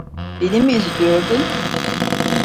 Beni mi izliyordun?